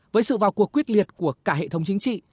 với sự vào cuộc quyết liệt của cả hệ thống chính trị